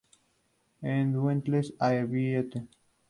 En Dauntless Aviation.